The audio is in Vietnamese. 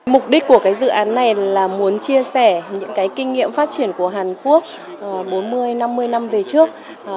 mục đích của dự án này là muốn chia sẻ những kinh nghiệm phát triển của hàn quốc bốn mươi năm mươi năm về trước